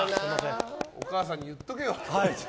お母さんに言っとけよ。